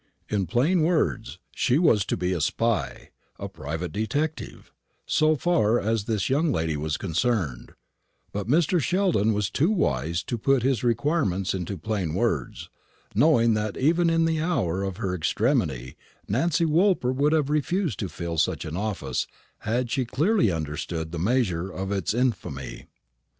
In plain words, she was to be a spy, a private detective, so far as this young lady was concerned; but Mr. Sheldon was too wise to put his requirements into plain words, knowing that even in the hour of her extremity Nancy Woolper would have refused to fill such an office had she clearly understood the measure of its infamy.